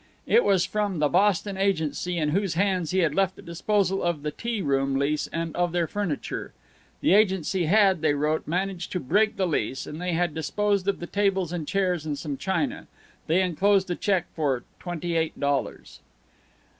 It was from the Boston agency in whose hands he had left the disposal of the tea room lease and of their furniture. The agency had, they wrote, managed to break the lease, and they had disposed of the tables and chairs and some of the china. They inclosed a check for twenty eight dollars.